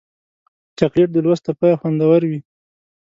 چاکلېټ د لوست تر پایه خوندور وي.